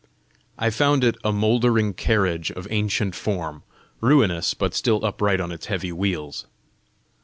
I found it a mouldering carriage of ancient form, ruinous but still upright on its heavy wheels.